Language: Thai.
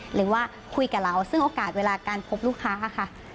หรือว่าคุยกับเราซึ่งโอกาสเวลาการพบลูกค้าค่ะ